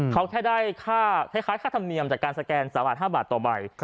เขาแค่ได้ค่าคล้ายค่าธรรมเนียมจากการสแกน๓บาท๕บาทต่อใบ